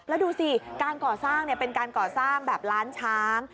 แล้วดูสิการก่อสร้างเป็นการก่อสร้างแบบล้านช้าง